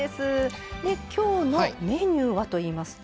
きょうのメニューはといいますと。